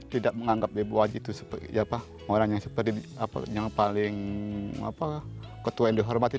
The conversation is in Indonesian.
tidak menganggap ibu aji itu orang yang paling ketua yang dihormati